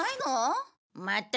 また？